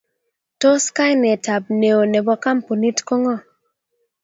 Tos kainetab neo nebo kampunit ko ngo?